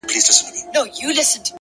هوښیار انتخاب راتلونکې ستونزې کموي؛